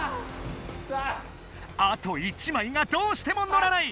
あと１枚がどうしてものらない！